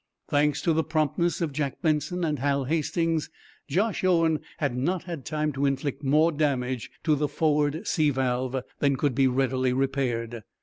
Thanks to the promptness of Jack Benson and Hal Hastings, Josh Owen had not had time to inflict more damage to the forward sea valve than could be readily repaired.